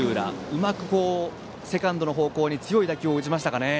うまくセカンドの方向に強い打球を打ちましたかね。